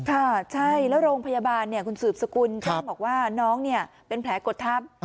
ค่ะใช่แล้วโรงพยาบาลเนี่ยคุณสืบสกุลบอกว่าน้องเนี่ยเป็นแผลกฎทัพ